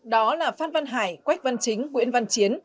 đó là phan văn hải quách văn chính nguyễn văn chiến